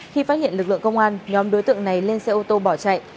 khi phát hiện lực lượng công an nhóm đối tượng này lên xe ô tô bỏ chạy